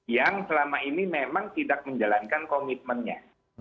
yang selama ini memang tidak menjalankan komitmennya